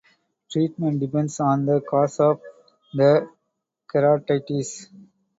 Treatment depends on the cause of the keratitis.